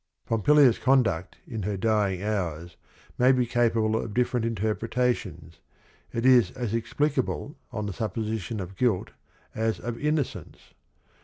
Pompilia's conduct in her dying hours may be capable of different interpretations: it is as ex plicable on the supposition of guilt as of inno cence.